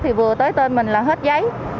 thì vừa tới tên mình là hết giấy